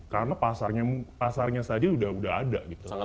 karena pasarnya saja sudah ada